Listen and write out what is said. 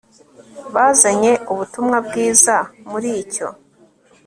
bazanye ubutumwa bwiza muri icyo